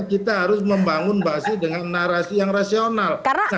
kita harus membangun basis dengan narasi yang rasional